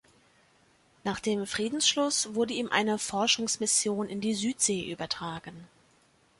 Nach dem Friedensschluss wurde ihm eine Forschungsmission in die Südsee übertragen.